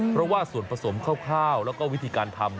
เพราะว่าส่วนผสมคร่าวแล้วก็วิธีการทำ